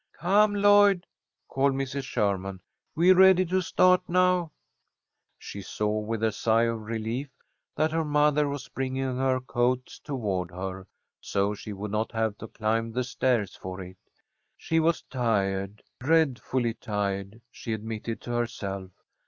"Come, Lloyd," called Mrs. Sherman. "We're ready to start now." She saw with a sigh of relief that her mother was bringing her coat toward her, so she would not have to climb the stairs for it. She was tired, dreadfully tired, she admitted to herself.